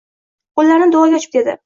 Qoʻllarini duoga ochib dedi.